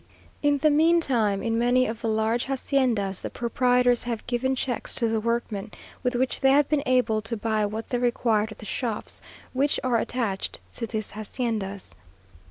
In the mean time, in many of the large haciendas, the proprietors have given checks to the workmen, with which they have been able to buy what they required at the shops, which are attached to these haciendas.